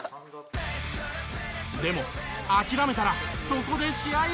でも諦めたらそこで試合終了！